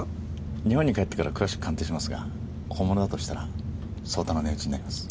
日本に帰ってから詳しく鑑定しますが本物だとしたら相当な値打ちになります。